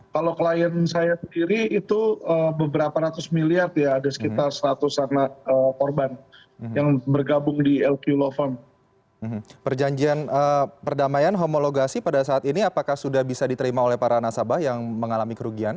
kalau klien saya sendiri itu beberapa ratus miliar ada sekitar seratus anak korban yang bergabung di lq law firm